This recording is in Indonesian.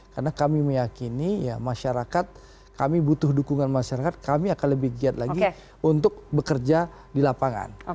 karena kami meyakini masyarakat kami butuh dukungan masyarakat kami akan lebih giat lagi untuk bekerja di lapangan